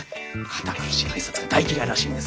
堅苦しい挨拶は大嫌いらしいんです。